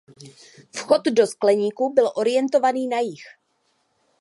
Vchod do skleníku byl orientovaný na jih.